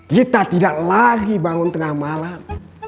kita tidak lagi bangun tengah malam